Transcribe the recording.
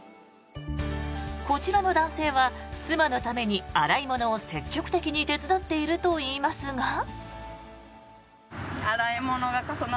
こちらの男性は妻のために洗い物を積極的に手伝っているといいますが。